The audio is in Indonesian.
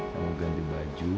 kamu ganti baju